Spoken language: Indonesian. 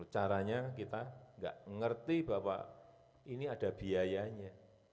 caranya kita nggak ngerti bahwa ini ada biayanya